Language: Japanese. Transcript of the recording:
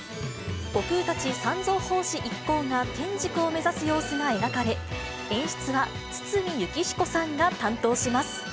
悟空たち三蔵法師一行が天竺を目指す様子が描かれ、演出は堤幸彦さんが担当します。